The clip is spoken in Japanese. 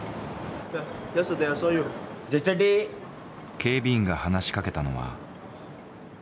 警備員が話しかけたのは。